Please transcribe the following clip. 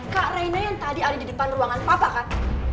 kak reina yang tadi ada di depan ruangan papa kan